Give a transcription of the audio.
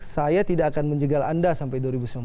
saya tidak akan menjegal anda sampai dua ribu sembilan belas